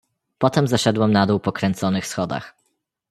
"„Potem zeszedłem na dół po kręconych schodach."